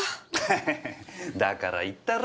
ハハハだから言ったろ？